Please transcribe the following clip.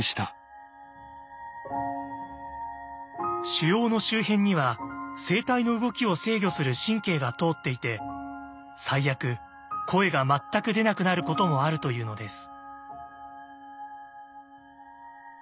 腫瘍の周辺には声帯の動きを制御する神経が通っていて最悪声が全く出なくなることもあるというのです。